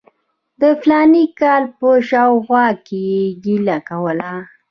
د فلاني کال په شاوخوا کې یې ګیله کوله.